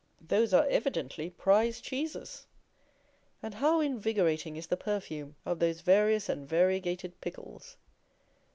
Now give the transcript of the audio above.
Those are evidently prize cheeses! And how invigorating is the perfume of those various and variegated pickles!